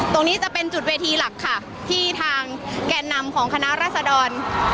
ตรงนี้จะเป็นจุดเวทีหลักค่ะที่ทางแก่นำของคณะรัศดร